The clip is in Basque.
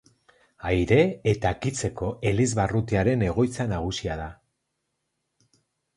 Aire eta Akizeko elizbarrutiaren egoitza nagusia da.